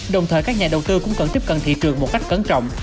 đồng thời các nhà đầu tư cũng cần tiếp cận thị trường một cách cẩn trọng